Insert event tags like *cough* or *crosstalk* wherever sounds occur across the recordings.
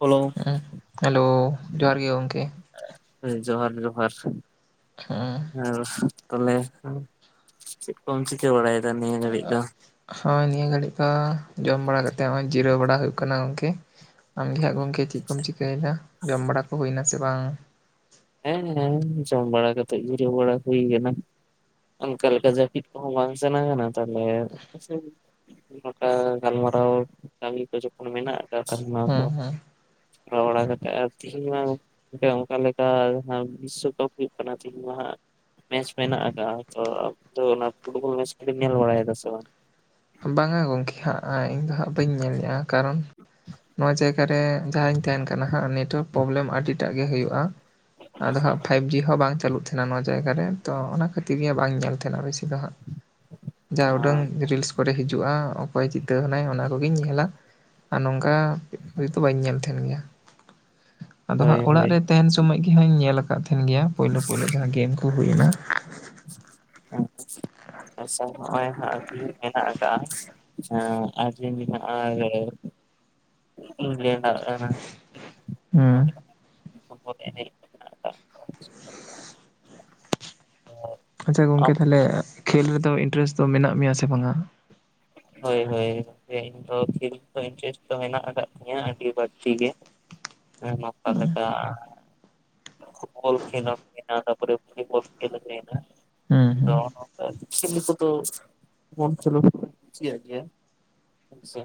Hello ᱩᱸ, hello ᱡᱚᱦᱟᱨ ᱜᱮ ᱜᱚᱢᱠᱮ ᱾ ᱡᱚᱦᱟᱨ ᱡᱚᱦᱟᱨ ᱾ ᱦᱩᱸ ᱾ ᱦᱮᱸ ᱛᱟᱦᱚᱞᱮ ᱪᱮᱫ ᱠᱚᱢ ᱪᱤᱠᱟᱹ ᱵᱟᱲᱟᱭᱮᱫᱟ ᱱᱤᱭᱟᱹ ᱜᱷᱟᱹᱲᱤᱡ ᱫᱚ? ᱦᱚᱭ ᱱᱤᱭᱟᱹ ᱜᱷᱟᱹᱲᱤᱡ ᱫᱚ ᱡᱚᱢ ᱵᱟᱲᱟ ᱠᱟᱛᱮ ᱦᱚᱸᱜ-ᱚᱭ ᱡᱤᱨᱟᱹᱣ ᱵᱟᱲᱟ ᱦᱩᱭᱩᱜ ᱠᱟᱱᱟ ᱜᱚᱢᱠᱮ ᱾ ᱟᱢ ᱜᱮ ᱦᱟᱸᱜ ᱜᱚᱝ ᱠᱮ ᱪᱮᱫ ᱠᱚᱢ ᱪᱤᱠᱟᱹᱭᱫᱟ? ᱡᱚᱢ ᱵᱟᱲᱟ ᱠᱚ ᱦᱩᱭ ᱮᱱᱟ ᱥᱮ ᱵᱟᱝ? ᱦᱮᱸ ᱦᱮᱸ ᱡᱚᱢ ᱵᱟᱲᱟ ᱠᱟᱛᱮᱜ ᱜᱮ ᱡᱤᱨᱟᱹᱣ ᱵᱟᱲᱟ ᱦᱩᱭ ᱠᱟᱱᱟ ᱾ ᱚᱱᱠᱟ ᱞᱮᱠᱟ ᱡᱟᱹᱯᱤᱫ ᱠᱚᱦᱚᱸ ᱵᱟᱝ ᱥᱟᱱᱟ ᱠᱟᱱᱟ ᱾ ᱛᱟᱦᱚᱞᱮ *unintelligible* ᱱᱚᱝᱠᱟ ᱜᱟᱞᱢᱟᱨᱟᱣ ᱠᱟᱹᱢᱤ ᱠᱚ ᱡᱚᱠᱷᱚᱱ ᱢᱮᱱᱟᱜ ᱛᱟᱵᱚᱱᱟ ᱦᱮᱸ ᱛᱚ ᱦᱮᱸ ᱠᱚᱨᱟᱣ ᱵᱟᱲᱟ ᱠᱟᱛᱮ, ᱟᱨ ᱛᱤᱦᱤᱧ ᱢᱟ ᱜᱚᱝᱠᱮ ᱚᱱᱠᱟ ᱞᱮᱠᱟ *unintelligible* ᱡᱟᱦᱟ ᱵᱤᱥᱥᱚᱠᱟᱯ ᱦᱩᱭᱩᱜ ᱠᱟᱱᱟ ᱛᱤᱦᱤᱧ ᱢᱟ ᱦᱟᱸᱜ ᱢᱮᱪ ᱢᱮᱱᱟᱜ ᱟᱠᱟᱜᱼᱟ, ᱛᱚ ᱟᱵᱤᱱ ᱫᱚ ᱚᱱᱟ ᱯᱷᱩᱴᱵᱚᱞ ᱢᱮᱪ ᱠᱚᱵᱤᱱ ᱧᱮᱞ ᱵᱟᱲᱟᱭᱮᱫᱟ ᱥᱮ ᱵᱟᱝ? ᱵᱟᱝᱟ ᱜᱚᱢᱠᱮ ᱦᱟᱸᱜ ᱤᱧᱫᱚ ᱦᱟᱸᱜ ᱵᱟᱹᱧ ᱧᱮᱞ ᱮᱜᱼᱟ ᱠᱟᱨᱚᱱ ᱱᱚᱣᱟ ᱡᱟᱭᱜᱟ ᱨᱮ ᱡᱟᱦᱟᱸᱧ ᱛᱟᱦᱮᱱ ᱠᱟᱱᱟ ᱦᱟᱸᱜ ᱱᱮᱴᱚᱣᱟᱨᱠ ᱯᱨᱚᱵᱞᱮᱢ ᱟᱹᱰᱤᱴᱟᱜ ᱜᱮ ᱦᱳᱭᱳᱜᱼᱟ ᱟᱫᱚ ᱦᱟᱸᱜ ᱯᱷᱟᱭᱤᱵ ᱡᱤ ᱦᱚᱸ ᱵᱟᱝ ᱪᱟᱹᱞᱩᱜ ᱛᱟᱦᱮᱱᱟ ᱱᱚᱣᱟ ᱡᱟᱭᱜᱟ ᱨᱮ। ᱛᱚ ᱚᱱᱟ ᱠᱷᱟᱹᱛᱤᱨ ᱜᱮ ᱵᱟᱹᱧ ᱧᱮᱞ ᱛᱟᱦᱮᱱᱟ ᱵᱮᱥᱤ ᱾ ᱟᱫᱚ ᱦᱟᱸᱜ ᱡᱟ ᱩᱰᱟᱹᱝ ᱨᱤᱞᱥ ᱠᱚᱨᱮ ᱦᱤᱡᱩᱜᱼᱟ ᱚᱠᱚᱭ ᱡᱤᱛᱟᱹᱣ ᱦᱮᱱᱟᱭ ᱚᱱᱟ ᱠᱚᱜᱤᱧ ᱧᱮᱞᱟ ᱾ ᱟᱨ ᱱᱚᱝᱠᱟ ᱦᱚᱭᱛᱚ ᱵᱟᱹᱧ ᱧᱮᱞ ᱛᱟᱦᱮᱱ ᱜᱮᱭᱟ। ᱟᱫᱚ ᱦᱳᱭ ᱦᱟᱸᱜ ᱚᱲᱟᱜ ᱦᱳᱭ ᱨᱮ ᱛᱟᱦᱮᱱ ᱥᱚᱢᱚᱭ ᱜᱮ ᱦᱟᱸᱜ ᱤᱧ ᱧᱮᱞ ᱟᱠᱟᱫ ᱛᱟᱦᱮᱱ ᱜᱮᱭᱟ। ᱯᱳᱭᱞᱳ ᱯᱳᱭᱞᱳ ᱡᱟᱦᱟᱸ ᱜᱮᱢ ᱠᱚ ᱦᱩᱭᱱᱟ। ᱟᱪᱪᱷᱟ ᱱᱚᱜᱼᱚᱭ ᱦᱟᱸᱜ ᱠᱤ ᱢᱮᱱᱟᱜ ᱠᱟᱜᱼᱟ। ᱦᱩᱸ *unintelligible* *unintelligible* ᱟᱨ ᱟᱪᱪᱷᱟ ᱜᱚᱝᱠᱮ ᱛᱟᱦᱟᱞᱮ, ᱠᱷᱮᱞ ᱨᱮᱫᱚ ᱤᱱᱴᱟᱨᱮᱥᱴ ᱫᱚ ᱢᱮᱱᱟᱜ ᱢᱮᱭᱟ ᱥᱮ ᱵᱟᱝᱟ? ᱦᱳᱭ ᱦᱳᱭ। ᱤᱧ ᱫᱚ ᱠᱷᱮᱞ ᱠᱚᱨᱮ ᱤᱱᱴᱟᱨᱮᱥᱴ ᱫᱚ ᱢᱮᱱᱟᱜ ᱟᱠᱟᱫ ᱛᱤᱧᱟᱹ ᱟᱹᱰᱤ ᱵᱟᱹᱲᱛᱤ ᱜᱮ। ᱦᱮᱸ ᱢᱟᱯᱷᱟ *unintelligible* ᱞᱮᱠᱟ। ᱯᱷᱩᱴᱵᱚᱞ ᱠᱷᱮᱞ *inaudible* ᱛᱟᱨᱯᱚᱨᱮ ᱵᱷᱤᱵᱚᱞ ᱠᱷᱮᱞ ᱦᱩᱭᱱᱟ। ᱦᱩᱸ ᱦᱩᱸ *inaudible* ᱠᱷᱮᱞ ᱠᱚᱫᱚ ᱢᱚᱱ ᱛᱮ ᱫᱚ *inaudible* ᱠᱩᱥᱟᱜ ᱜᱮᱭᱟ ᱦᱳᱭ ᱥᱮ᱾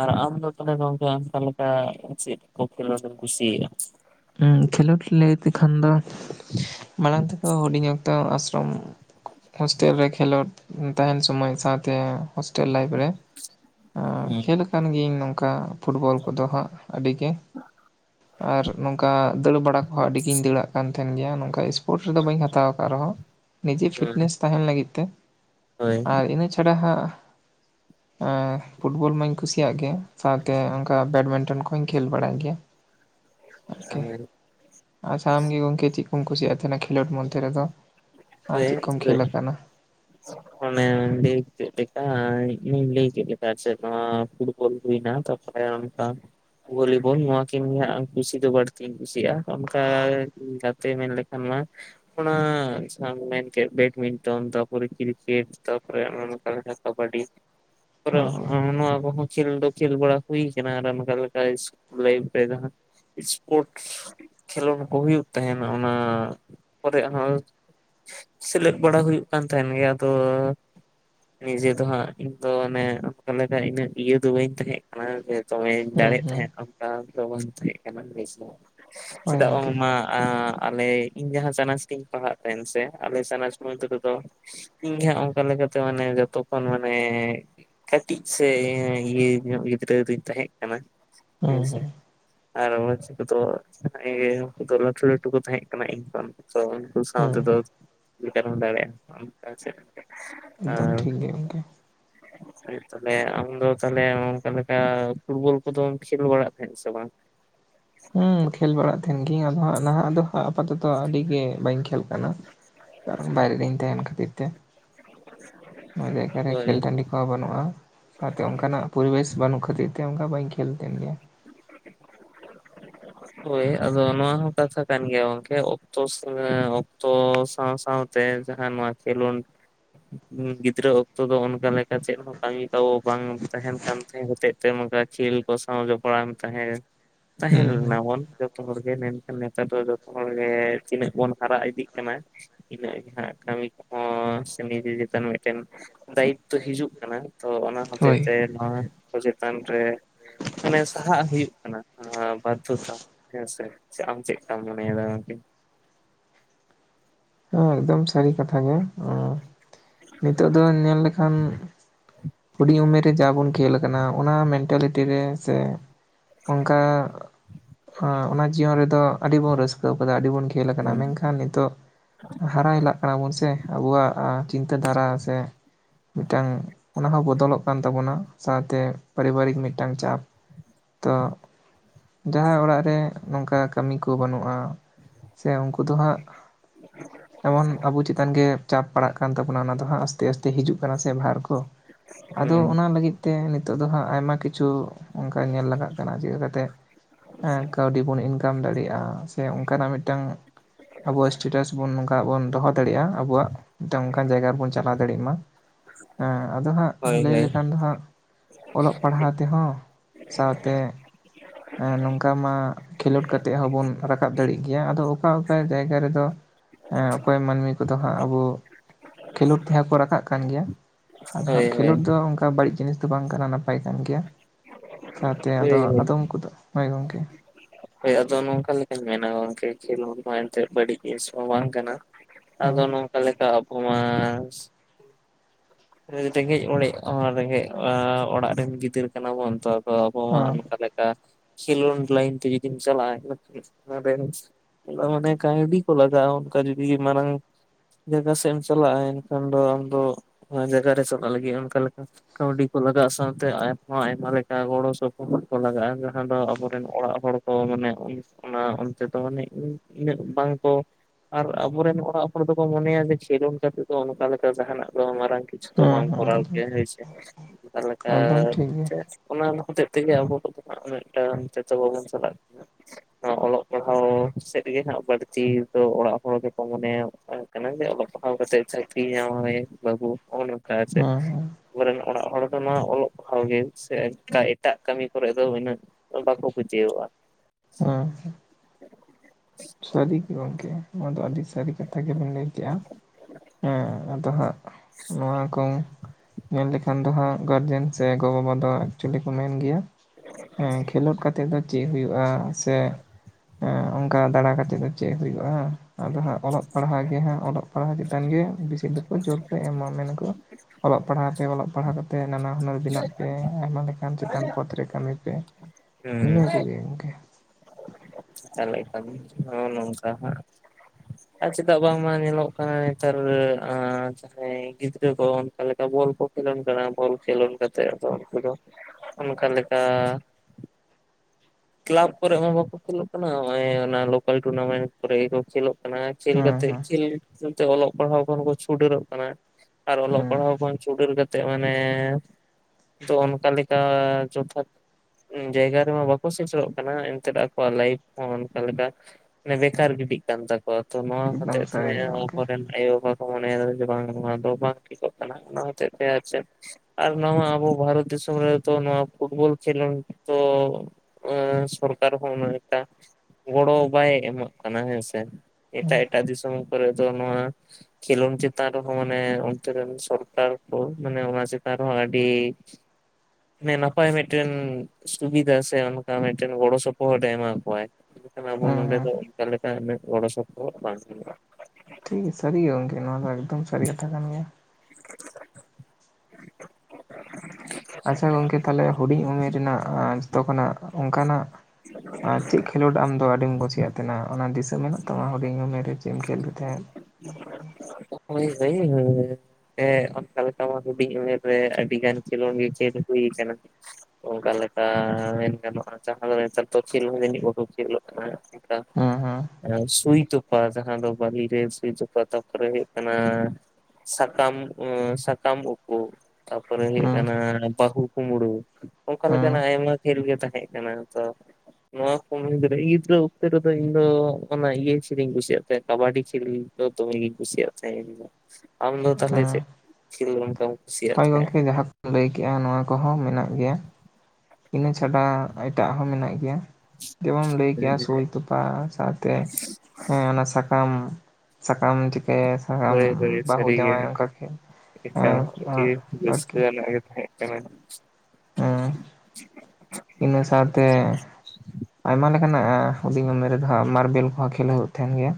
ᱟᱨ ᱟᱢ ᱫᱚ ᱛᱟᱦᱚᱞᱮ ᱜᱚᱝᱠᱮ ᱟᱢ ᱚᱠᱟ ᱞᱮᱠᱟ ᱪᱮᱫ ᱠᱚ ᱠᱷᱮᱞᱚᱸᱰ ᱮᱢ ᱠᱩᱥᱤᱭᱟᱜᱼᱟ? ᱦᱮᱸ, ᱠᱷᱮᱞᱳᱰ ᱞᱟᱹᱭ ᱛᱮ ᱠᱷᱟᱱ ᱫᱚ ᱢᱟᱲᱟᱝ ᱛᱮᱫᱚ, ᱦᱩᱰᱤᱧ ᱚᱠᱛᱚ ᱟᱥᱨᱚᱢ ᱦᱳᱥᱴᱮᱞ ᱨᱮ ᱠᱷᱮᱞᱳᱰ ᱛᱟᱦᱮᱱ ᱥᱚᱢᱚᱭ, ᱥᱟᱶᱛᱮ ᱦᱳᱥᱴᱮᱞ ᱞᱟᱭᱤᱯᱷ ᱨᱮ ᱟᱨ ᱠᱷᱮᱞ ᱟᱠᱟᱱ ᱜᱤᱭᱟᱹᱧ ᱱᱚᱝᱠᱟ ᱯᱷᱩᱴᱵᱚᱞ ᱠᱚᱫᱚ ᱦᱟᱸᱜ᱾ ᱟᱹᱰᱤ ᱜᱮ ᱟᱨ ᱱᱚᱝᱠᱟ ᱫᱟᱹᱲ ᱵᱟᱲᱟ ᱠᱚᱦᱚᱸ ᱟᱹᱰᱤ ᱜᱤᱧ ᱫᱟᱹᱲᱟᱜ ᱠᱟᱱ ᱛᱟᱦᱮᱱ ᱜᱮᱭᱟ, ᱱᱚᱝᱠᱟ ᱯᱳᱨᱴᱥ ᱨᱮᱫᱚ ᱵᱟᱹᱧ ᱦᱟᱛᱟᱣ ᱟᱠᱟᱫ ᱨᱮᱦᱚᱸ, ᱱᱤᱡᱮ ᱦᱮᱸ ᱯᱷᱤᱴᱱᱮᱥ ᱛᱟᱦᱮᱱ ᱞᱟᱹᱜᱤᱫ ᱛᱮ ᱦᱳᱭ ᱟᱨ ᱤᱱᱟᱹ ᱪᱷᱟᱰᱟ ᱦᱟᱜ ᱮᱸᱻ ᱯᱷᱩᱴᱵᱚᱞ ᱢᱟᱧ ᱠᱩᱥᱤᱭᱟᱜ ᱜᱮ ᱥᱟᱶᱛᱮ ᱚᱱᱠᱟ ᱵᱮᱰᱢᱤᱱᱴᱚᱱ ᱠᱚᱦᱚᱸᱧ ᱠᱷᱮᱞ ᱵᱟᱲᱟᱜ ᱜᱮᱭᱟ। ᱟᱨᱠᱤ ᱦᱳᱭ ᱟᱪᱪᱷᱟ ᱟᱢᱜᱮ ᱜᱚᱝᱠᱮ, ᱪᱮᱫ ᱠᱚᱢ ᱠᱩᱥᱤᱭᱟᱜ ᱛᱟᱦᱮᱱᱟ ᱠᱷᱮᱞᱳᱰ ᱢᱚᱫᱽᱫᱷᱮ ᱨᱮᱫᱚ? ᱟᱨ ᱪᱮᱫ ᱠᱚᱢ ᱠᱷᱮᱞ ᱟᱠᱟᱱᱟ *unintelligible* ᱚᱱᱮ ᱞᱟᱹᱭ ᱠᱮᱫ ᱞᱮᱠᱟ ᱤᱧᱤᱧ ᱞᱟᱹᱭ ᱠᱮᱫ ᱞᱮᱠᱟ ᱟᱨ ᱪᱮᱫ *unintelligible* ᱜᱳᱞ ᱦᱩᱭᱱᱟ ᱛᱟᱯᱚᱨᱮ ᱚᱱᱠᱟ ᱵᱷᱚᱞᱤᱵᱚᱞ ᱱᱚᱣᱟᱠᱤᱱ ᱜᱮ ᱦᱟᱸᱜ ᱠᱩᱥᱤ ᱫᱚ ᱵᱟᱹᱲᱛᱤᱧ ᱠᱩᱥᱤᱭᱟᱜᱼᱟ, ᱚᱱᱠᱟ ᱠᱟᱛᱮ ᱢᱮᱱ ᱞᱮᱠᱷᱟᱱ ᱢᱟ ᱚᱱᱟ ᱟᱢ ᱢᱮᱱ ᱠᱮᱫ ᱵᱮᱰ ᱢᱤᱱᱴᱚᱱ, ᱛᱟᱯᱚᱨᱮ ᱠᱨᱤᱠᱮᱴ ᱛᱟᱯᱚᱨᱮ *unintelligible* ᱠᱟᱵᱟᱰᱤ। ᱟᱨᱚ ᱦᱩᱸ ᱱᱚᱣᱟ ᱠᱚᱦᱚᱸ ᱠᱷᱮᱞ ᱫᱚ ᱠᱷᱮᱞ ᱵᱟᱲᱟ ᱦᱩᱭ ᱠᱟᱱᱟ, ᱟᱨ ᱚᱱᱠᱟ ᱞᱮᱠᱟ ᱤᱥᱠᱩᱞ ᱞᱟᱭᱤᱯᱷ ᱨᱮᱫᱚ ᱦᱟᱸᱜ ᱥᱯᱳᱨᱴᱥ ᱠᱷᱮᱞᱚᱸᱰ ᱠᱚ ᱦᱩᱭᱩᱜ ᱛᱟᱦᱮᱱᱟ ᱚᱱᱟ ᱠᱚᱨᱮᱜ ᱦᱚᱸ ᱥᱮᱞᱮᱫ ᱵᱟᱲᱟ ᱦᱩᱭᱩᱜ ᱠᱟᱱ ᱛᱟᱦᱮᱱ ᱜᱮᱭᱟ ᱟᱫᱚ ᱱᱤᱡᱮ ᱫᱚᱦᱟᱸᱜ ᱤᱧ ᱫᱚ ᱚᱱᱮ ᱚᱱᱠᱟ ᱞᱮᱠᱟ ᱤᱱᱟᱹᱜ ᱤᱭᱟᱹ ᱫᱚ ᱵᱟᱹᱧ ᱛᱟᱦᱮᱸ ᱠᱟᱱᱟ ᱡᱮ ᱫᱚᱢᱮᱧ ᱦᱩᱸ ᱫᱟᱲᱮᱭᱟᱜ ᱦᱩᱸ ᱛᱟᱦᱮᱸᱫ ᱚᱱᱠᱟ ᱫᱚ ᱵᱟᱝ ᱛᱟᱦᱮᱸ ᱠᱟᱱᱟ ᱦᱳᱭ ᱥᱮ, ᱦᱳᱭ ᱪᱮᱫᱟᱜ ᱜᱚᱝᱠᱮ ᱵᱟᱝᱢᱟ ᱟᱸᱻ ᱟᱞᱮ ᱤᱧ ᱡᱟᱦᱟᱸ ᱪᱟᱱᱟᱪ ᱜᱤᱧ ᱯᱟᱲᱦᱟᱜ ᱛᱟᱦᱮᱸᱱ ᱥᱮ, ᱟᱞᱮ ᱪᱟᱱᱟᱪ ᱢᱩᱫ ᱨᱮᱫᱚ ᱤᱧ ᱜᱮ ᱦᱟᱸᱜ ᱚᱱᱠᱟ ᱞᱮᱠᱟᱛᱮ, ᱢᱟᱱᱮ ᱡᱷᱚᱛᱚ ᱠᱷᱚᱱ ᱢᱟᱱᱮ ᱠᱟᱹᱴᱤᱡ ᱥᱮ ᱤᱭᱟᱹ ᱧᱚᱜ ᱜᱤᱫᱽᱨᱟᱹ ᱨᱤᱧ ᱛᱟᱦᱮᱸ ᱠᱟᱱᱟ ᱦᱩᱸ ᱦᱮᱸᱥᱮ᱾ ᱦᱩᱸ ᱟᱨ ᱢᱟᱹᱡᱷᱤ ᱠᱚᱫᱚ ᱤᱭᱟᱹ ᱞᱟᱹᱴᱩ ᱞᱟᱹᱴᱩ ᱠᱚ ᱛᱟᱦᱮᱸᱜ ᱠᱟᱱᱟ ᱤᱧ ᱠᱷᱚᱱ। *unintelligible* ᱥᱟᱶ ᱦᱩᱸ ᱛᱮᱫᱚ ᱟᱨ ᱪᱤᱠᱟᱹ ᱛᱮᱢ ᱫᱟᱲᱮᱭᱟᱜᱼᱟ ᱚᱱᱠᱟ ᱪᱮᱫ ᱮᱠᱫᱚᱢ ᱟᱨ ᱴᱷᱤᱠ ᱜᱮ ᱜᱚᱝᱠᱮ *inaudible* ᱦᱩᱭᱩᱜ ᱛᱟᱞᱮᱭᱟ ᱟᱢ ᱫᱚ ᱛᱟᱦᱚᱞᱮ ᱚᱱᱠᱟ ᱞᱮᱠᱟ ᱯᱷᱩᱴᱵᱚᱞ ᱠᱚᱫᱚᱢ ᱠᱷᱮᱞ ᱵᱟᱲᱟᱜ ᱛᱟᱦᱮᱸᱫ ᱥᱮ ᱵᱟᱝ? ᱦᱩᱸ, ᱠᱷᱮᱞ ᱵᱟᱲᱟᱜ ᱛᱟᱦᱮᱱ ᱜᱤᱧ ᱟᱫᱚ ᱦᱟᱸᱜ ᱱᱟᱦᱟᱜ ᱟᱫᱚ ᱦᱟᱸᱜ ᱟᱯᱟᱛᱚᱛᱚ ᱟᱹᱰᱤ ᱜᱮ ᱵᱟᱹᱧ ᱠᱷᱮᱞ ᱠᱟᱱᱟ ᱠᱟᱨᱚᱱ ᱵᱟᱭᱨᱮ ᱨᱤᱧ ᱛᱟᱦᱮᱱ ᱠᱷᱟᱹᱛᱤᱨ ᱛᱮ᱾ ᱱᱚᱣᱟ ᱡᱟᱭᱜᱟ ᱨᱮ ᱦᱳᱭ ᱠᱷᱮᱞ ᱴᱟᱸᱰᱤ ᱦᱚᱸ ᱵᱟᱹᱱᱩᱜ-ᱟ, ᱥᱟᱶᱛᱮ ᱚᱱᱠᱟᱱᱟᱜ ᱯᱚᱨᱤᱵᱮᱥ ᱵᱟᱹᱱᱩᱜ ᱠᱷᱟᱹᱛᱤᱨ ᱛᱮ ᱚᱱᱠᱟ ᱵᱟᱹᱧ ᱠᱷᱮᱞ ᱛᱮᱦᱮᱱ ᱜᱮᱭᱟ। ᱦᱳᱭ ᱟᱫᱚ ᱱᱚᱣᱟ ᱦᱚᱸ ᱠᱟᱛᱷᱟ ᱠᱟᱱ ᱜᱮᱭᱟ ᱜᱚᱝᱠᱮ, ᱚᱠᱛᱚ ᱥᱚᱸᱜᱮ ᱚᱠᱛᱚ ᱥᱟᱶ ᱥᱟᱶ ᱛᱮ ᱡᱟᱦᱟᱸ ᱱᱚᱣᱟ ᱠᱷᱮᱞᱳᱱᱰ ᱜᱤᱫᱽᱨᱟᱹ ᱚᱠᱛᱚ ᱫᱚ ᱚᱱᱠᱟ ᱞᱮᱠᱟ ᱪᱮᱫ ᱦᱚᱸ ᱠᱟᱹᱢᱤ ᱠᱚ ᱵᱟᱝ ᱛᱟᱦᱮᱱ ᱠᱟᱱ ᱛᱮᱸ ᱦᱚᱛᱮᱡ ᱛᱮ ᱱᱚᱝᱠᱟ ᱠᱷᱮᱞ ᱠᱚ ᱥᱟᱶ ᱡᱚᱯᱲᱟᱣᱮᱢ ᱛᱟᱦᱮᱸ ᱛᱟᱦᱮᱸ ᱦᱩᱸ ᱞᱮ ᱦᱩᱸ *unintelligible* ᱡᱚᱛᱚ ᱦᱚᱲ ᱜᱮ ᱢᱮᱱᱠᱷᱟᱱ ᱱᱮᱛᱟᱨ ᱫᱚ ᱡᱚᱛᱚ ᱦᱚᱲ ᱜᱮ ᱛᱤᱱᱟᱹᱜ ᱵᱚᱱ ᱦᱟᱨᱟ ᱤᱫᱤᱜ ᱠᱟᱱᱟ ᱤᱱᱟᱹᱜ ᱜᱮ ᱦᱟᱸᱜ ᱠᱟᱹᱢᱤ ᱠᱚᱦᱚᱸ ᱥᱮ ᱱᱤᱡᱮ ᱪᱮᱛᱟᱱ ᱢᱮᱫᱴᱮᱱ ᱫᱟᱭᱤᱛᱛᱚ ᱦᱤᱡᱩᱜ ᱠᱟᱱᱟ᱾ ᱛᱚ ᱚᱱᱟ ᱦᱚᱛᱮᱜ ᱦᱳᱭ ᱛᱮ ᱱᱚᱣᱟ ᱠᱚ ᱪᱮᱛᱟᱱ ᱨᱮ ᱢᱟᱱᱮ ᱥᱟᱦᱟᱜ ᱦᱩᱭᱩᱜ ᱠᱟᱱᱟ᱾ *unintelligible* ᱦᱮᱸᱥᱮ ᱟᱢ ᱪᱮᱜ ᱠᱟᱢ ᱢᱚᱱᱮᱭᱟᱫᱟ ᱜᱚᱝᱠᱮ? ᱦᱮᱸ ᱮᱠᱫᱚᱢ ᱥᱟᱹᱨᱤ ᱠᱟᱛᱷᱟ ᱜᱮ ᱩᱸ ᱱᱤᱛᱚᱜ ᱫᱚ ᱧᱮᱞ ᱞᱮᱠᱷᱟᱱ ᱦᱩᱰᱤᱧ ᱩᱢᱮᱨ ᱨᱮ ᱡᱟ ᱵᱚᱱ ᱠᱷᱮᱞ ᱟᱠᱟᱱᱟ ᱚᱱᱟ ᱢᱮᱱᱴᱟᱞᱤᱴᱤ ᱨᱮ ᱥᱮ ᱚᱝᱠᱟ ᱦᱟᱸ ᱚᱱᱟ ᱡᱤᱭᱚᱱ ᱨᱮᱫᱚ ᱟᱹᱰᱤ ᱵᱚᱱ ᱨᱟᱹᱥᱠᱟᱹᱣ ᱠᱟᱫᱟ ᱟᱹᱰᱤ ᱵᱚᱱ ᱠᱷᱮᱹᱞ ᱟᱠᱟᱱᱟ ᱦᱩᱸ ᱢᱮᱱᱠᱷᱟᱱ ᱱᱤᱛᱚᱜ ᱦᱟᱨᱟ ᱦᱮᱞᱟᱜ ᱠᱟᱱᱟ ᱵᱚᱱ ᱥᱮ ᱟᱵᱚᱣᱟᱜ ᱟ ᱪᱤᱱᱛᱟᱹ ᱫᱷᱟᱨᱟ ᱥᱮ ᱢᱤᱫᱴᱟᱝ ᱚᱱᱟ ᱦᱚᱸ ᱵᱚᱫᱚᱞᱚᱜ ᱠᱟᱱ ᱛᱟᱵᱚᱱᱟ ᱥᱟᱶᱛᱮ ᱯᱟᱨᱤᱵᱟᱨᱤᱠ ᱢᱤᱫᱴᱟᱝ ᱪᱟᱯ ᱛᱚ ᱡᱟᱦᱟᱸᱭ ᱚᱲᱟᱜ ᱨᱮ ᱱᱚᱝᱠᱟ ᱠᱟᱹᱢᱤ ᱠᱩ ᱵᱟᱹᱱᱩᱜ-ᱟ ᱥᱮ ᱩᱱᱠᱩ ᱫᱚ ᱦᱟᱸᱜ *inaudible* ᱮᱢᱚᱱ ᱟᱵᱚ ᱪᱮᱛᱟᱱ ᱜᱮ ᱪᱟᱯ ᱯᱟᱲᱟᱜ ᱠᱟᱱ ᱛᱟᱵᱚᱱᱟ ᱚᱱᱟ ᱫᱚ ᱦᱟᱸᱜ ᱟᱥᱛᱮ ᱟᱥᱛᱮ ᱦᱤᱡᱩᱜ ᱠᱟᱱᱟ ᱥᱮ ᱵᱷᱟᱨ ᱠᱚ ᱦᱩᱸ ᱟᱫᱚ ᱚᱱᱟ ᱞᱟᱹᱜᱤᱫ ᱛᱮ ᱱᱤᱛᱚᱜ ᱫᱚ ᱦᱟᱸᱜ ᱟᱭᱢᱟ ᱠᱤᱪᱷᱩ ᱚᱱᱠᱟ ᱧᱮᱞ ᱞᱟᱜᱟᱜ ᱠᱟᱱᱟ ᱪᱮᱜ ᱠᱟᱛᱮ ᱮᱸ ᱠᱟᱹᱣᱰᱤ ᱵᱚᱱ ᱤᱱᱠᱟᱢ ᱫᱟᱲᱮᱭᱟᱜ-ᱟ ᱥᱮ ᱜᱮ ᱚᱱᱠᱟᱱᱟᱜ ᱢᱤᱫᱴᱟᱝ ᱟᱵᱚᱣᱟᱜ ᱮᱥᱴᱮᱴᱟᱥ ᱱᱚᱝᱠᱟ ᱵᱚᱱ ᱫᱚᱦᱚ ᱫᱟᱲᱮᱜ-ᱟ ᱟᱵᱚᱣᱟᱜ ᱴᱟᱝ ᱚᱝᱠᱟ ᱡᱟᱭᱜᱟ ᱨᱮᱵᱚᱱ ᱪᱟᱞᱟᱣ ᱫᱟᱲᱮᱜ ᱢᱟ᱾ ᱦᱮᱸ ᱟᱫᱚ ᱦᱟᱸᱜ ᱦᱳᱭ ᱞᱟᱹᱭ ᱦᱳᱭ ᱞᱮᱠᱷᱟᱱ ᱫᱚ ᱦᱟᱸᱜ ᱚᱞᱚᱜ ᱯᱟᱲᱦᱟᱣ ᱛᱮᱦᱚᱸ ᱥᱟᱶᱛᱮ ᱮᱸ ᱱᱚᱝᱠᱟ ᱢᱟ ᱠᱷᱮᱞᱳᱰ ᱠᱟᱛᱮᱜ ᱦᱚᱸᱵᱚᱱ ᱨᱟᱠᱟᱵ ᱫᱟᱲᱮᱜ ᱜᱮᱭᱟ ᱟᱫᱚ ᱚᱠᱟ ᱚᱠᱟ ᱡᱟᱭᱜᱟ ᱨᱮᱫᱚ ᱮᱸ ᱚᱠᱚᱭ ᱢᱟᱹᱱᱢᱤ ᱠᱚᱫᱚ ᱦᱟᱸᱜ ᱟᱵᱚ ᱠᱷᱮᱞᱳᱰ ᱛᱮᱦᱚᱸ ᱠᱚ ᱨᱟᱠᱟᱵ ᱠᱟᱱ ᱜᱮᱭᱟ᱾ ᱟᱫᱚ ᱦᱳᱭ ᱦᱟᱸᱜ ᱦᱳᱭ ᱠᱷᱮᱞᱳᱰ ᱫᱚ ᱚᱱᱠᱟ ᱵᱟᱹᱲᱤᱡ ᱡᱤᱱᱤᱥ ᱫᱚ ᱵᱟᱝ ᱠᱟᱱᱟ ᱱᱟᱯᱟᱭ ᱠᱟᱱ ᱜᱮᱭᱟ, ᱥᱟᱶᱛᱮ ᱟᱫᱚ ᱦᱳᱭ ᱦᱳᱭ ᱟᱫᱚᱢ ᱠᱚᱫᱚ ᱦᱳᱭ ᱜᱚᱝᱠᱮ᱾ ᱦᱳᱭ ᱟᱫᱚ ᱱᱚᱝᱠᱟ ᱞᱮᱠᱟᱧ ᱢᱮᱱᱟ ᱜᱚᱝᱠᱮ ᱠᱷᱮᱞᱳᱰ ᱢᱟ ᱮᱱᱛᱮᱫ ᱵᱟᱹᱲᱤᱡ ᱡᱤᱱᱤᱥ ᱦᱚᱸ ᱵᱟᱝ ᱠᱟᱱᱟ᱾ ᱟᱫᱚ ᱦᱮᱸ ᱱᱚᱝᱠᱟ ᱞᱮᱠᱟ ᱟᱵᱚ ᱢᱟᱻᱥ ᱨᱮᱸᱜᱮᱡ ᱚᱲᱮᱡ ᱦᱚᱸ ᱨᱮᱸᱜᱮᱡ ᱟᱸ ᱚᱲᱟᱜ ᱨᱮᱱ ᱜᱤᱫᱟᱹᱨ ᱠᱟᱱᱟ ᱵᱚᱱ ᱛᱚ ᱟᱵᱚ ᱟᱵᱚ ᱢᱟ ᱦᱮᱸ ᱱᱚᱠᱟ ᱞᱮᱠ ᱟ ᱠᱷᱮᱞᱳᱱᱰ ᱞᱟᱭᱤᱱ ᱛᱮ ᱡᱩᱫᱤᱢ ᱪᱟᱞᱟᱜ-ᱟ *unintelligible* ᱢᱟᱱᱮ ᱠᱟᱹᱟᱭᱰᱤ ᱠᱚ ᱞᱟᱜ-ᱟ ᱚᱱᱠᱟ ᱡᱩᱫᱤ ᱢᱟᱨᱟᱝ ᱡᱟᱭᱜᱟ ᱥᱮᱜᱮᱢ ᱪᱟᱞᱟᱜ-ᱟ ᱮᱱᱠᱷᱟᱱ ᱫᱚ ᱟᱢᱫᱚ ᱚᱱᱟ ᱡᱟᱭᱜᱟ ᱨᱮ ᱪᱟᱞᱟᱜ ᱞᱟᱹᱜᱤᱫ ᱚᱱᱠᱟ ᱞᱮᱠᱟ᱾ ᱠᱟᱹᱣᱰᱤ ᱠᱚ ᱞᱟᱜᱟᱜ ᱥᱟᱶᱛᱮ ᱟᱭᱢᱟ ᱟᱭᱢᱟ ᱞᱮᱠᱟ ᱜᱚᱲᱚ ᱥᱚᱯᱚᱦᱚᱫ ᱠᱚ ᱞᱟᱜᱟᱜ-ᱟ ᱡᱟᱦᱟᱸ ᱫᱚ ᱟᱵᱚᱨᱮᱱ ᱚᱲᱟᱜ ᱦᱚᱲ ᱠᱚ ᱢᱟᱱᱮ ᱚᱱᱥ ᱚᱱᱟ ᱚᱱᱛᱮ ᱫᱚ ᱢᱟᱱᱮ ᱩᱱ ᱤᱱᱟᱹᱜ ᱵᱟᱝᱠᱚ ᱟᱨ ᱟᱵᱚᱨᱮᱱ ᱚᱲᱟᱜ ᱦᱚᱲ ᱫᱚᱠᱚ ᱢᱚᱱᱮᱭᱟ ᱡᱮ ᱠᱷᱮᱞᱩᱱ ᱠᱟᱛᱮᱫ ᱫᱚ ᱚᱱᱠᱟ ᱞᱮᱠᱟ ᱡᱟᱦᱟᱱᱟᱜ ᱫᱚ ᱢᱟᱨᱟᱝ ᱠᱤᱪᱩ ᱫᱚ ᱦᱮᱸ ᱵᱟᱢ ᱠᱚᱨᱟᱣ ᱦᱮᱸ ᱠᱮᱭᱟ ᱦᱳᱭᱥᱮ ᱟᱨ ᱞᱮᱠᱟ ᱮᱠᱫᱚᱢ ᱴᱷᱤᱠ ᱜᱮᱭᱟ *unintelligible* ᱚᱱᱟ ᱦᱚᱛᱮᱜ ᱛᱮᱜᱮ ᱟᱵᱚ ᱠᱚᱫᱚ ᱦᱟᱸᱜ ᱢᱤᱫᱴᱟᱝ ᱪᱟᱪᱟ ᱵᱟᱵᱚᱱ ᱪᱟᱞᱟᱜ ᱠᱟᱱᱟ᱾ ᱚᱞᱚᱜ ᱯᱟᱲᱦᱟᱣ ᱥᱮᱫ ᱜᱮ ᱦᱟᱸᱜ ᱵᱟᱹᱲᱛᱤ ᱫᱚ ᱚᱲᱟᱜ ᱦᱚᱲ ᱜᱮᱠᱚ ᱢᱚᱱᱮᱭᱟ ᱟ ᱠᱟᱱᱟ ᱡᱮ ᱟᱵᱚᱣᱟᱜ ᱯᱟᱲᱦᱟᱣ ᱠᱟᱛᱮ ᱪᱟᱠᱨᱤ ᱧᱟᱢ ᱦᱩᱭ ᱵᱟᱹᱵᱩ ᱚᱱᱮ ᱚᱱᱚᱠ ᱡᱮ ᱦᱮᱸ ᱦᱮᱸ ᱵᱚᱨᱮᱱ ᱚᱲᱟᱜ ᱦᱚᱲ ᱫᱚ ᱱᱚᱣᱟ ᱚᱞᱚᱜ ᱯᱟᱲᱦᱟᱣ ᱜᱮ ᱥᱮ *unintelligible* ᱮᱴᱟᱜ ᱠᱟᱹᱢᱤ ᱠᱚᱨᱮ ᱫᱚ ᱩᱱᱟᱹᱜ ᱵᱟᱠᱚ ᱠᱩᱪᱟᱹᱣᱟᱜ-ᱟ᱾ ᱦᱩᱸ᱾ ᱥᱟᱹᱨᱤ ᱜᱮ ᱜᱚᱝᱠᱮ ᱚᱱᱟ ᱫᱚ ᱟᱹᱰᱤ ᱥᱟᱨᱤ ᱠᱟᱛᱷᱟ ᱜᱮᱵᱤᱱ ᱞᱟᱹᱭ ᱠᱮᱜ-ᱟ᱾ ᱦᱮᱸ ᱟᱫᱚ ᱦᱟᱸᱜ ᱱᱚᱣᱟ ᱠᱚ᱾ ᱢᱮᱱ ᱞᱮᱠᱷᱟᱱ ᱫᱚ ᱦᱟᱸᱜ ᱜᱟᱨᱡᱮᱱ ᱥᱮ ᱜᱚ ᱵᱟᱵᱟ ᱫᱚ ᱮᱠᱪᱩᱞᱤ ᱠᱚ ᱢᱮᱱ ᱜᱮᱭᱟ᱾ ᱦᱮᱸ ᱠᱷᱮᱞᱳᱰ ᱠᱟᱛᱮᱜ ᱫᱚ ᱪᱮᱫ ᱦᱩᱭᱩᱜ-ᱟ ᱥᱮ? ᱚᱝᱠᱟ ᱫᱟᱬᱟ ᱠᱟᱛᱮᱫ ᱫᱚ ᱪᱮᱫ ᱦᱩᱭᱩᱜ-ᱟ? ᱟᱫᱚ ᱦᱟᱸᱜ ᱚᱞᱚᱜ ᱯᱟᱲᱦᱟᱜ ᱜᱮ ᱦᱟᱸᱜ ᱚᱞᱚᱜ ᱯᱟᱲᱦᱟᱜ ᱪᱮᱛᱟᱱ ᱜᱮ ᱵᱮᱥᱤ ᱫᱚᱠᱚ ᱡᱳᱨ ᱯᱮ ᱮᱢᱟ, ᱢᱮᱱᱟᱠᱚ ᱚᱞᱚᱜ ᱯᱟᱲᱦᱟᱣ ᱯᱮ, ᱚᱞᱚᱜ ᱯᱟᱲᱦᱟᱣ ᱠᱟᱛᱮ ᱱᱟᱱᱟ ᱦᱩᱱᱟᱹᱨ ᱵᱮᱱᱟᱜ ᱯᱮ ᱟᱭᱢᱟ ᱞᱮᱠᱟᱱ ᱪᱮᱛᱟᱱ ᱯᱚᱫ ᱨᱮ ᱠᱟᱹᱢᱤ ᱯᱮ᱾ ᱦᱩᱸ ᱤᱱᱟᱹ ᱠᱚᱜᱮ ᱜᱚᱝᱠᱮ᱾ ᱛᱟᱦᱞᱮ ᱠᱟᱹᱢᱤ ᱥᱚᱢᱚᱭ ᱱᱚᱝᱠᱟ ᱦᱟᱸᱜ᱾ ᱟᱨ ᱪᱮᱫᱟᱜ ᱵᱟᱝᱢᱟ ᱧᱮᱞᱚᱜ ᱠᱟᱱᱟ ᱱᱮᱛᱟᱨ ᱟᱸᱻ ᱦᱮᱸ ᱜᱤᱫᱽᱨᱟᱹ ᱠᱚ ᱚᱱᱠᱟ ᱞᱮᱠᱟ ᱵᱚᱞ ᱠᱚ ᱠᱷᱮᱞᱳᱱᱰ ᱠᱟᱱᱟ, ᱵᱚᱞ ᱠᱷᱮᱞᱳᱱᱰ ᱠᱟᱛᱮ ᱟᱫᱚ ᱩᱱᱠᱩ ᱫᱚ ᱚᱱᱠᱟ ᱞᱮᱠᱟ ᱠᱞᱟᱵᱽ ᱠᱚᱨᱮ ᱦᱚᱸ ᱵᱟᱠᱚ ᱠᱷᱮᱞᱳᱜ ᱠᱟᱱᱟ, ᱦᱚᱸᱜ-ᱚᱭ ᱚᱱᱟ ᱞᱳᱠᱟᱞ ᱴᱩᱨᱱᱟᱢᱮᱱᱴ ᱠᱚᱨᱮ ᱜᱮᱠᱚ ᱠᱷᱮᱞᱳᱜ ᱠᱟᱱᱟ᱾ ᱠᱷᱮᱹᱞ ᱦᱮᱸ ᱠᱟᱛᱮᱜ ᱦᱮᱸ ᱠᱷᱮᱹᱞ ᱥᱮᱱᱛᱮ ᱚᱞᱚᱜ ᱯᱟᱲᱦᱟᱣ ᱠᱷᱚᱱ ᱠᱚ ᱪᱷᱩᱰᱟᱹᱨᱚᱜ ᱠᱟᱱᱟ᱾ ᱟᱨ ᱚᱞᱚᱜ ᱦᱮᱸ ᱯᱟᱲᱦᱟᱣ ᱠᱷᱚᱱ ᱪᱷᱩᱰᱟᱹᱨ ᱠᱟᱛ ᱛᱮᱜ ᱢᱟᱱᱮᱻ ᱟᱫᱚ ᱚᱱᱠᱟ ᱞᱮᱠᱟ ᱡᱚᱛᱷᱟᱛ ᱡᱟᱭᱜᱟ ᱨᱮᱢᱟ ᱵᱟᱠ ᱵᱟᱠᱚ ᱥᱮᱴᱮᱨᱚᱜ ᱠᱟᱱᱟ᱾ ᱮᱱᱛᱮᱫ ᱟᱠᱚᱣᱟᱜ ᱞᱟᱭᱤᱯᱷ ᱦᱚᱸ ᱚᱱᱠᱟ ᱞᱮᱠᱟ ᱢᱟᱱᱮ ᱵᱮᱠᱟᱨ ᱜᱤᱰᱤᱜ ᱠᱟᱱ ᱛᱟᱠᱚᱣᱟ ᱛᱚ, ᱱᱚᱣᱟ ᱮᱠᱫᱚᱢ ᱦᱚᱛᱮᱜ ᱛᱮ ᱥᱟᱹᱨᱤ ᱜᱮ ᱜᱚᱝᱠᱮ ᱟᱵᱚᱨᱮᱱ ᱟᱭᱳ-ᱵᱟᱵᱟ ᱠᱚ ᱢᱚᱱᱮᱭᱮᱫᱟ ᱡᱮ ᱵᱟᱝ ᱱᱚᱣᱟ ᱫᱚ ᱵᱟᱝ ᱴᱷᱤᱠᱚᱜ ᱠᱟᱱᱟ ᱚᱱᱟ ᱦᱚᱛᱮᱜ ᱛᱮ ᱟᱨ ᱪᱮᱫ ᱟᱨ ᱱᱚᱣᱟ ᱢᱟ ᱟᱵᱚ ᱵᱷᱟᱨᱚᱛ ᱫᱤᱥᱚᱢ ᱨᱮᱫᱚ ᱱᱚᱣᱟ ᱯᱷᱩᱴᱵᱚᱞ ᱠᱷᱮᱞᱳᱱᱰ ᱫᱚ ᱚᱻ ᱥᱚᱨᱠᱟᱨ ᱦᱚᱸ ᱚᱱᱮ ᱚᱝᱠᱟ᱾ ᱜᱚᱲᱚ ᱵᱟᱭ ᱮᱢᱟᱜ ᱠᱟᱱᱟ ᱦᱮᱸ ᱥᱮ᱾ ᱮᱴᱟᱜ ᱮᱴᱟᱜ ᱫᱤᱥᱚᱢ ᱠᱚᱨᱮ ᱫᱚ ᱱᱚᱣᱟ ᱠᱷᱮᱞᱚᱱᱰ ᱪᱮᱛᱟᱱ ᱨᱮᱦᱚᱸ ᱢᱟᱱᱮ ᱚᱱᱛᱮ ᱨᱮᱱ ᱥᱚᱨᱠᱟᱨ ᱠᱚ ᱢᱟᱱᱮ ᱚᱱᱟ ᱪᱮᱛᱟᱱ ᱨᱮᱦᱚᱸ ᱟᱹᱰᱤ ᱦᱮᱸ ᱱᱟᱯᱟᱭ ᱢᱤᱫᱴᱮᱱ ᱥᱩᱵᱤᱫᱷᱟ ᱥᱮ ᱚᱱ ᱠᱟ ᱢᱤᱫᱴᱮᱱ ᱜᱚᱲᱚ ᱥᱚᱯᱚᱦᱚᱫ ᱮ ᱮᱢᱟ ᱠᱚᱣᱟᱭ᱾ ᱢᱮᱱᱠᱷᱟᱱ ᱟᱵᱚ ᱦᱮᱸ ᱱᱚᱸᱰᱮ ᱦᱮᱸ ᱫᱚ ᱚᱱᱠᱟ ᱞᱮᱠᱟ ᱤᱱᱟᱹᱜ ᱜᱚᱲᱚ ᱥᱚᱯᱚᱦᱚᱫ ᱵᱟᱝ ᱛᱟᱸᱦᱮᱱᱟ᱾ ᱴᱷᱤᱠ ᱜᱮ ᱥᱟᱹᱨᱤ ᱜᱮ ᱜᱚᱝᱠᱮ ᱱᱚᱣᱟ ᱫᱚ ᱮᱠᱫᱚᱢ ᱥᱟᱹᱨᱤ ᱠᱟᱛᱷᱟ ᱠᱟᱱ ᱜᱮᱭᱟ᱾ *unintelligible* ᱟᱪᱪᱷᱟ ᱜᱚᱝᱠᱮ ᱛᱟᱦᱞᱮ ᱦᱩᱰᱤᱧ ᱩᱢᱮᱹᱨ ᱨᱮᱱᱟᱜ ᱡᱚᱛᱚ ᱠᱷᱚᱱᱟᱜ ᱚᱝᱠᱟᱱᱟᱜ ᱪᱮᱫ ᱠᱷᱮᱞᱳᱸᱰ ᱟᱢᱫᱚ ᱟᱹᱰᱤᱢ ᱠᱩᱥᱤᱭᱟᱜ ᱛᱟᱸᱦᱮᱱᱟ? ᱚᱱᱟ ᱫᱤᱥᱟᱹ ᱢᱮᱱᱟᱜ ᱛᱟᱢᱟ ᱦᱩᱰᱤᱧ ᱩᱢᱮᱹᱨ ᱨᱮ ᱪᱮᱫ ᱮᱢ ᱠᱷᱮᱹᱞ ᱞᱮᱫ ᱛᱟᱦᱮᱸᱫ? ᱦᱳᱭ ᱦᱳᱭ ᱦᱮᱸ, ᱦᱮᱸ ᱚᱱᱠᱟ ᱞᱮᱠᱟ ᱢᱟ ᱦᱩᱰᱤᱧ ᱩᱢᱮᱹᱨ ᱨᱮ ᱟᱹᱰᱤᱜᱟᱱ ᱠᱷᱮᱞᱚᱱᱰ ᱜᱮ ᱠᱷᱮᱹᱞ ᱦᱩᱭ ᱠᱟᱱᱟ᱾ ᱚᱱᱠᱟ ᱞᱮᱠᱟ ᱢᱮᱱ ᱜᱟᱱᱚᱜ-ᱟ ᱡᱟᱦᱟᱸ ᱫᱚ ᱱᱮᱛᱟᱨ ᱫᱚ ᱠᱷᱮᱹᱞ ᱦᱚᱸ ᱡᱟᱹᱱᱤᱡ ᱵᱟᱠᱚ ᱠᱷᱮᱞᱳᱜ ᱠᱟᱱᱟ ᱚᱱᱠᱟ᱾ ᱦᱮᱸ ᱥᱩᱭ ᱛᱚᱯᱟ, ᱡᱟᱦᱟᱸ ᱫᱚ ᱵᱟᱹᱞᱤᱨᱮ ᱥᱩᱭ ᱛᱚᱯᱟ ᱛᱟᱯᱚᱨᱮ ᱦᱩᱭᱩᱜ ᱠᱟᱱᱟ ᱥᱟᱠᱟᱢ ᱩᱸ ᱥᱟᱠᱟᱢ ᱩᱠᱩ, ᱛᱟᱯᱚᱨᱮ ᱦᱩᱭᱩᱜ ᱦᱮᱸ ᱠᱟᱱᱟ ᱵᱟᱹᱦᱩ ᱠᱩᱢᱲᱩ, ᱚᱝᱠᱟ ᱦᱮᱸ ᱞᱮᱠᱟᱱᱟᱜ ᱟᱭᱢᱟ ᱠᱷᱮᱹᱞ ᱜᱮ ᱛᱟᱦᱮᱸ ᱠᱟᱱᱟ ᱛᱚ᱾ ᱱᱚᱣᱟ ᱠᱚ ᱢᱩᱫᱽ ᱨᱮ ᱜᱤᱫᱽᱨᱟᱹ ᱩᱠᱛᱚ ᱨᱮᱫᱚ ᱤᱧ ᱫᱚ ᱚᱱᱟ ᱤᱭᱟᱹ ᱠᱷᱮᱹᱞᱤᱧ ᱠᱩᱥᱤᱭᱟᱜ ᱛᱟᱦᱮᱸᱜ, ᱠᱟᱵᱟᱰᱤ ᱠᱷᱮᱹᱞ ᱤᱧ ᱫᱚ ᱫᱚᱢᱮ ᱜᱤᱧ ᱠᱩᱥᱤᱭᱟᱜ ᱛᱟᱦᱮᱸᱜ ᱤᱧ ᱫᱚ᱾ ᱟᱢ ᱫᱚ ᱛᱟᱦᱞᱮ ᱪᱮᱫ ᱦᱮᱸ ᱠᱷᱮᱹᱞ ᱚᱱᱠᱟ? ᱦᱳᱭ ᱜᱚᱝᱠᱮ ᱡᱟᱦᱟᱸ ᱠᱚᱢ ᱞᱟᱹᱭ ᱠᱮᱜ-ᱟ ᱱᱚᱣᱟ ᱠᱚᱦᱚᱸ ᱢᱮᱱᱟᱜ ᱜᱮᱭᱟ᱾ ᱤᱱᱟᱹ ᱪᱷᱟᱰᱟ ᱮᱴᱟᱜ ᱦᱚᱸ ᱢᱮᱱᱟᱜ ᱜᱮᱭᱟ᱾ ᱡᱮᱢᱚᱱ ᱮᱢ ᱞᱟᱹᱭ ᱠᱮᱜ-ᱟ ᱛᱟᱦᱮᱸᱫ ᱥᱩᱭ ᱛᱚᱯᱟ ᱥᱟᱶᱛᱮ ᱦᱮᱸ ᱚᱱᱟ ᱥᱟᱠᱟᱢ ᱥᱟᱠᱟᱢ ᱪᱤᱠᱟᱹ ᱦᱳᱭ ᱦᱳᱭ ᱥᱟᱹᱨᱤ ᱜᱮ, ᱮᱠᱟᱞ ᱜᱮ ᱨᱟᱹᱥᱠᱟᱹ ᱟᱨᱠᱤ ᱟᱱᱟᱜ ᱜᱮ ᱛᱟᱦᱮᱸᱜ᱾ ᱪᱮᱫ ᱮᱢ ᱢᱮᱱ ᱫᱟ? ᱦᱮᱸ ᱤᱱᱟᱹ ᱥᱟᱶᱛᱮ ᱟᱭᱢᱟ ᱞᱮᱠᱟᱱᱟᱜ ᱦᱩᱰᱤᱧ ᱩᱢᱮᱨ ᱨᱮᱫᱚ ᱦᱟᱸᱜ ᱢᱟᱨᱵᱮᱞ ᱠᱚᱦᱚᱸ ᱠᱷᱮᱞᱳ ᱦᱩᱭᱩᱜ ᱛᱟᱦᱮᱸᱱ ᱜᱮᱭᱟ᱾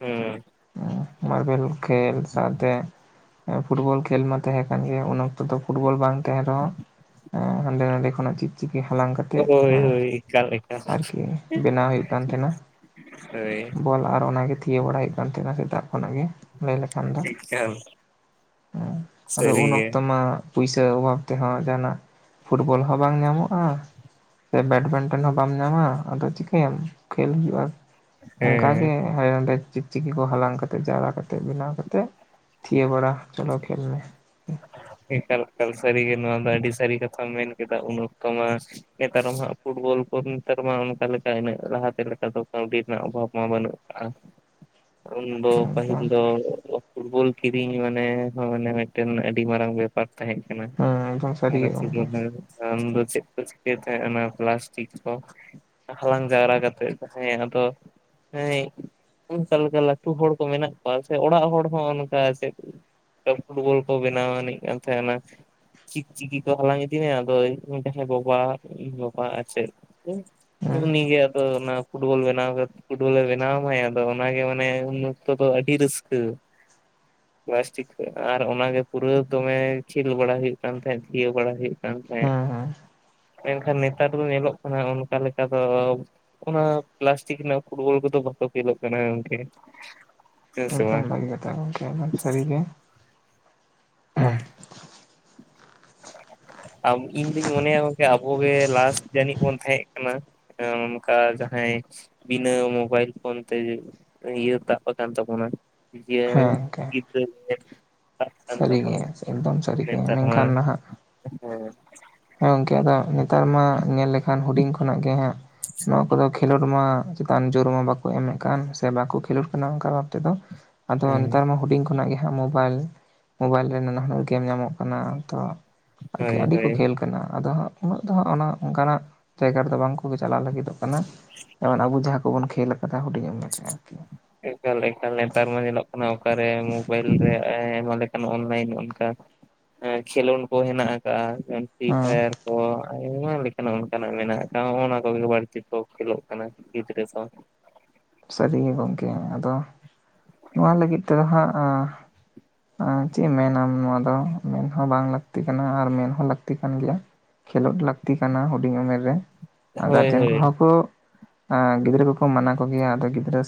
ᱦᱩᱸ, ᱦᱸ, ᱢᱟᱨᱵᱮᱞ ᱠᱷᱮᱞ ᱥᱟᱶᱛᱮ ᱦ, ᱯᱷᱩᱴᱵᱚᱞ ᱠᱷᱮᱞ ᱢᱟ ᱛᱟᱦᱮᱸ ᱠᱟᱱ ᱜᱮ ᱩᱱ ᱚᱠᱛᱚ ᱫᱚ ᱯᱷᱩᱴᱵᱚᱞ ᱵᱟᱝ ᱛᱟᱦᱮᱸᱱ ᱨᱮᱦᱚᱸ ᱦᱸ ᱦᱟᱸᱰᱮ ᱱᱟᱰᱮ ᱠᱷᱚᱱᱟᱜ ᱪᱤᱠ ᱪᱤᱠᱤ ᱦᱟᱞᱟᱝ ᱠᱟᱛᱮᱫ ᱦᱳᱭ ᱦᱚᱸ ᱦᱳᱭ ᱮᱠᱟᱞ ᱮᱠᱟᱞ ᱟᱨᱠᱤ ᱵᱮᱱᱟᱣ ᱦᱩᱭᱩᱜ ᱠᱟᱱ ᱛᱟᱦᱮᱸᱱᱟ᱾ ᱦᱳᱭ ᱵᱚᱞ ᱟᱨ ᱚᱱᱟᱜᱮ ᱛᱷᱤᱭᱟᱹ ᱵᱟᱲᱟᱭ ᱦᱩᱭᱩᱜ ᱠᱟᱱ ᱛᱟᱦᱮᱸᱱᱟ ᱥᱮᱛᱟᱜ ᱠᱷᱚᱱᱟᱜ ᱜᱮ᱾ ᱞᱟᱹᱭ ᱠᱷᱟᱱ ᱫᱚ ᱮᱠᱟᱞ ᱩᱱ ᱥᱟᱹᱨᱤᱜᱮ ᱚᱠᱛᱚ ᱢᱟᱼᱼ ᱯᱩᱭᱥᱟᱹ ᱚᱵᱷᱟᱵ ᱛᱮᱦᱚᱸ ᱡᱟᱦᱟᱸᱱᱟᱜ ᱯᱷᱩᱴᱵᱚᱞ ᱦᱚᱸ ᱵᱟᱝ ᱧᱟᱢᱚᱜᱼᱟ, ᱥᱮ ᱵᱮᱰᱢᱤᱱᱴᱚᱱ ᱦᱚᱸ ᱵᱟᱢ ᱧᱟᱢᱟ ᱟᱫᱚ ᱪᱤᱠᱟᱹᱭᱟᱢ ᱠᱷᱮᱞ ᱦᱩᱭᱩᱜᱼᱟ᱾ ᱦᱮᱸ ᱚᱱᱠᱟᱜᱮ ᱦᱟᱭ ᱚᱸᱰᱮ ᱪᱤᱠ ᱪᱤᱠᱤ ᱠᱚ ᱦᱟᱞᱟᱝ ᱠᱟᱛᱮ ᱡᱟᱨᱣᱟ ᱠᱟᱛᱮ ᱵᱮᱱᱟᱣ ᱠᱟᱛᱮ ᱛᱷᱤᱭᱟᱹ ᱵᱟᱲᱟ ᱪᱚᱞᱚ ᱠᱷᱮᱞ ᱢᱮ, ᱮᱠᱟᱞ ᱮᱠᱟᱞ ᱥᱟᱹᱨᱤᱜᱮ ᱱᱚᱣᱟ ᱫᱚ ᱟᱹᱰᱤ ᱥᱟᱹᱨᱤ ᱠᱟᱛᱷᱟᱢ ᱢᱮᱱ ᱠᱮᱫᱟ ᱩᱱ ᱚᱠᱛᱚ ᱢᱟ ᱱᱮᱛᱟᱨ ᱦᱚᱸ ᱦᱟᱸᱜ ᱯᱷᱩᱴᱵᱚᱞ ᱠᱚ ᱱᱮᱛᱟᱨ ᱢᱟ ᱚᱱᱠᱟ ᱞᱮᱠᱟ ᱤᱱᱟᱹᱜ ᱞᱟᱦᱟᱛᱮ ᱞᱮᱠᱟ ᱫᱚ ᱠᱟᱹᱣᱰᱤ ᱨᱮᱱᱟᱜ ᱚᱵᱷᱟᱵ ᱢᱟ ᱵᱟᱹᱱᱩᱜ ᱟᱠᱟᱜᱼᱟ᱾ *inaudible* ᱩᱱ ᱫᱚ ᱯᱟᱹᱦᱤᱞ ᱮᱠᱫᱚᱢ ᱫᱚ ᱯᱷᱩᱴᱵᱚᱞ ᱠᱤᱨᱤᱧ ᱢᱟᱱᱮ ᱢᱤᱫᱴᱮᱱ ᱟᱹᱰᱤ ᱢᱟᱨᱟᱝ ᱵᱮᱯᱟᱨ ᱛᱟᱦᱮᱸ ᱠᱟᱱᱟ, ᱦᱮᱸ ᱮᱠᱫᱚᱢ ᱥᱟᱹᱨᱤ ᱟᱨᱚ ᱜᱮ ᱜᱚᱝᱠᱮ *unintelligible* ᱟᱢ ᱫᱚ ᱪᱮᱫ ᱠᱚ ᱪᱤᱠᱟᱹᱭ ᱛᱟᱦᱮᱸᱱᱟ ᱚᱱᱟ ᱯᱞᱟᱥᱴᱤᱠ ᱠᱚ ᱦᱟᱞᱟᱝ ᱡᱟᱣᱨᱟ ᱠᱟᱛᱮᱫ ᱦᱮᱸ ᱟᱫᱚ ᱦᱮᱸ, ᱚᱱᱠᱟ ᱞᱮᱠᱟ ᱞᱟᱹᱴᱩ ᱦᱚᱲ ᱠᱚ ᱢᱮᱱᱟᱜ ᱠᱚᱣᱟ ᱥᱮ ᱚᱲᱟᱜ ᱦᱚᱲ ᱦᱚᱸ ᱚᱱᱠᱟ ᱪᱮᱫ ᱛᱚ ᱯᱷᱩᱴᱵᱚᱞ ᱠᱚ ᱵᱮᱱᱟᱣ ᱟᱹᱱᱤᱡ ᱠᱟᱱ ᱛᱟᱦᱮᱸᱱᱟ, ᱪᱤᱠᱪᱤᱠᱤ ᱠᱚ ᱦᱟᱞᱟᱝ ᱤᱫᱤ ᱢᱮ ᱟᱫᱚ ᱩᱱᱤ ᱡᱟᱦᱟᱸᱭ ᱫᱚ ᱵᱟᱵᱟ ᱤᱧ ᱵᱟᱵᱟ ᱟᱨ‌ ᱪᱮᱫ ᱦᱮᱸ ᱩᱱᱤ ᱜᱮ ᱟᱫᱚ ᱚᱱᱟ ᱯᱷᱩᱴᱵᱚᱞ ᱵᱮᱱᱟᱣ ᱠᱟᱛ ᱯᱷᱩᱴᱵᱚᱞᱮ ᱵᱮᱱᱟᱣ ᱟᱢᱟᱭ ᱟᱫᱚ ᱚᱱᱟᱜᱮ ᱢᱟᱱᱮ ᱩᱱ ᱚᱠᱛᱚ ᱫᱚ ᱟᱹᱰᱤ ᱨᱟᱹᱥᱠᱟᱹ᱾ ᱯᱞᱟᱥᱴᱤᱠ ᱠᱷᱚᱡ, ᱟᱨ ᱚᱱᱟᱜᱮ ᱯᱩᱨᱟᱹ ᱫᱚᱢᱮ ᱠᱷᱮᱞ ᱵᱟᱲᱟ ᱦᱩᱭᱩᱜ ᱠᱟᱱ ᱛᱟᱦᱮᱸᱫ ᱛᱤᱭᱟᱹ ᱵᱟᱲᱟ ᱦᱩᱭᱩᱜ ᱠᱟᱱ ᱛᱟᱦᱮᱸᱫ᱾ ᱦᱮᱸ ᱦᱮᱸ ᱢᱮᱱᱠᱷᱟᱱ ᱱᱮᱛᱟᱨ ᱫᱚ ᱧᱮᱞᱚᱜ ᱠᱟᱱᱟ ᱚᱱᱠᱟ ᱞᱮᱠᱟ ᱫᱚ ᱚᱱᱟ ᱯᱞᱟᱥᱴᱤᱠ ᱨᱮᱱᱟᱜ ᱯᱷᱩᱴᱵᱚᱞ ᱠᱚᱫᱚ ᱵᱟᱠᱚ ᱠᱷᱮᱞᱳᱜ ᱠᱟᱱᱟ ᱜᱚᱝᱠᱮ? ᱦᱮᱸ ᱥᱮ ᱵᱟᱝ ᱮᱠᱫᱚᱢ ᱵᱷᱟᱜᱤ ᱠᱟᱛᱷᱟ ᱜᱚᱝᱠᱮ ᱮᱠᱫᱚᱢ ᱥᱟᱹᱨᱤ ᱜᱮ, ᱟᱢ ᱤᱧ ᱫᱩᱧ ᱢᱚᱱᱮᱭᱟ ᱜᱚᱝᱠᱮ ᱟᱵᱚᱜᱮ ᱞᱟᱥᱴ ᱡᱟᱹᱱᱤᱡ ᱵᱚᱱ ᱛᱟᱦᱮᱸᱫ ᱠᱟᱱᱟ, ᱚᱱᱠᱟ ᱡᱟᱦᱟᱸᱭ ᱵᱤᱱᱟᱹ ᱢᱳᱵᱟᱭᱤᱞ ᱯᱷᱳᱱ ᱛᱮᱜᱮ ᱤᱭᱟᱹ ᱛᱟᱵ ᱟᱠᱟᱱ ᱛᱟᱵᱚᱱᱟ᱾ ᱤᱭᱟᱹ ᱦᱮᱸ ᱜᱚᱝᱠᱮ ᱜᱤᱫᱽᱨᱟᱹ ᱩᱢᱮᱨ ᱛᱟᱰᱠᱟᱱ ᱥᱟᱹᱨᱤ ᱜᱮ ᱮᱠᱫᱚᱢ ᱥᱟᱹᱨᱤ ᱜᱮ ᱱᱮᱛᱟᱨ ᱢᱟ, ᱢᱮᱱᱠᱷᱟᱱ ᱱᱟᱦᱟᱜ ᱦᱮᱸ, ᱦᱮᱸ ᱜᱚᱝᱠᱮ ᱟᱫᱚ ᱱᱮᱛᱟᱨ ᱢᱟ ᱧᱮᱞ ᱞᱮᱠᱷᱟᱱ ᱦᱩᱰᱤᱧ ᱠᱷᱚᱱᱟᱜ ᱜᱮ ᱦᱟᱸᱜ ᱱᱚᱣᱟ ᱠᱚᱫᱚ ᱠᱷᱮᱞᱳᱰ ᱢᱟ ᱪᱮᱛᱟᱱ ᱡᱳᱨ ᱢᱟ ᱵᱟᱠᱚ ᱮᱢᱮᱫ ᱠᱟᱱ ᱥᱮ ᱵᱟᱠᱚ ᱠᱷᱮᱞᱳᱰ ᱠᱟᱱᱟ ᱚᱱᱠᱟ ᱵᱷᱟᱵ ᱛᱮ ᱫᱚ᱾ ᱟᱫᱚ ᱦᱮᱸ ᱱᱮᱛᱟᱨ ᱢᱟ ᱦᱩᱰᱤᱧ ᱠᱷᱚᱱᱟᱜ ᱜᱮ ᱦᱟᱸᱟᱜ ᱢᱳᱵᱟᱭᱤᱞ᱾ ᱢᱳᱵᱟᱭᱤᱞ ᱨᱮ ᱱᱟᱱᱟ ᱦᱩᱱᱟᱹᱨ ᱜᱮᱢ ᱧᱟᱢᱚᱜ ᱠᱟᱱᱟ ᱛᱚ ᱟᱠᱤ ᱦᱳᱭ ᱟᱹᱰᱤ ᱠᱚ ᱦᱳᱭ ᱠᱷᱮᱞ ᱟᱫᱚ ᱦᱟᱸᱜ ᱩᱱᱟᱹᱜ ᱫᱚ ᱦᱟᱸᱜ ᱚᱱᱟ ᱚᱱᱠᱟᱱᱟᱜ ᱡᱟᱭᱜᱟ ᱨᱮᱫᱚ ᱵᱟᱝ ᱠᱚ ᱪᱟᱞᱟᱣ ᱞᱟᱹᱜᱤᱫᱚᱜ ᱠᱟᱱᱟ ᱡᱮᱢᱚᱱ ᱟᱵᱚ ᱡᱟᱦᱟᱸ ᱠᱚᱵᱚᱱ ᱠᱷᱮᱞ ᱟᱠᱟᱫᱟ ᱦᱩᱰᱤᱧ ᱩᱢᱮᱨ ᱨᱮ ᱟᱨᱠᱤ᱾ ᱮᱠᱟᱞ, ᱮᱠᱟᱞ, ᱱᱮᱛᱟᱨ ᱢᱟ ᱧᱮᱞᱚᱜ ᱠᱟᱱᱟ ᱚᱠᱟᱨᱮ ᱢᱳᱵᱟᱭᱤᱞ ᱨᱮ ᱟᱭᱢᱟ ᱞᱮᱠᱟᱱ ᱚᱱᱞᱟᱭᱤᱱ ᱚᱱᱠᱟ, ᱠᱷᱮᱞᱳᱸᱰ ᱠᱚ ᱦᱮᱱᱟᱜ ᱟᱠᱟᱜᱼᱟ ᱯᱷᱨᱤ ᱦᱮᱸ ᱯᱷᱟᱭᱟᱨ, ᱚ ᱟᱭᱢᱟ ᱞᱮᱠᱟᱱᱟᱜ ᱚᱱᱠᱟᱱᱟᱜ ᱢᱮᱱᱟᱜ ᱟᱠᱟᱫᱟ ᱚᱱᱟ ᱠᱚᱜᱮ ᱵᱟᱹᱲᱛᱤ ᱠᱚ ᱠᱷᱮᱞᱳᱜ ᱠᱟᱱᱟ᱾ ᱜᱤᱫᱽᱨᱟᱹ ᱥᱟᱶ ᱾ ᱥᱟᱹᱨᱤᱜᱮ ᱜᱚᱢᱠᱮ ᱟᱫᱚ ᱱᱚᱣᱟ ᱞᱟᱹᱜᱤᱫ ᱛᱮᱫᱚ ᱦᱟᱸᱜ ᱪᱮᱫ ᱢᱮᱱᱟᱢ ᱱᱚᱣᱟ ᱫᱚ ᱢᱮᱱ ᱦᱚᱸ ᱵᱟᱝ ᱞᱟᱹᱠᱛᱤ ᱠᱟᱱᱟ ᱟᱨ ᱢᱮᱱ ᱦᱚᱸ ᱞᱟᱹᱠᱛᱤ ᱠᱟᱱ ᱜᱮᱭᱟ ᱾ ᱠᱷᱮᱞᱳᱰ ᱞᱟᱹᱠᱛᱤ ᱠᱟᱱᱟ ᱦᱩᱰᱤᱧ ᱩᱢᱮᱨ ᱨᱮ ᱾ ᱦᱳᱭ ᱜᱟᱨᱡᱮᱱ ᱦᱳᱭ ᱠᱚᱦᱚᱸ ᱠᱚ ᱜᱤᱫᱽᱨᱟᱹ ᱠᱚᱠᱚ ᱢᱟᱱᱟ ᱠᱚᱜᱮᱭᱟ ᱟᱫᱚ ᱜᱤᱫᱽᱨᱟᱹ